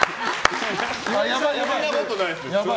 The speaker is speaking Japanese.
そんなことないですよ。